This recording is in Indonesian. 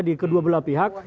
di kedua belah pihak